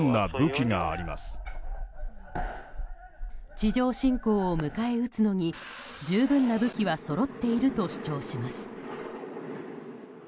地上侵攻を迎え撃つのに十分な武器はそろっていると主張します。